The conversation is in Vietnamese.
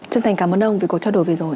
chân thành cảm ơn ông vì cuộc trao đổi vừa rồi